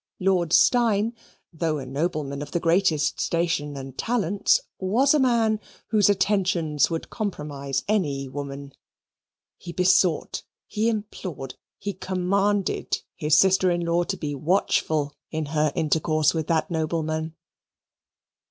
Lord Steyne, though a nobleman of the greatest station and talents, was a man whose attentions would compromise any woman; he besought, he implored, he commanded his sister in law to be watchful in her intercourse with that nobleman.